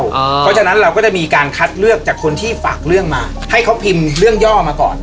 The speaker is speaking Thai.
เพราะฉะนั้นเราก็จะมีการคัดเลือกจากคนที่ฝากเรื่องมาให้เขาพิมพ์เรื่องย่อมาก่อน